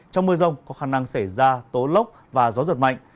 trong mưa rông có khả năng xảy ra tố lốc và gió giật mạnh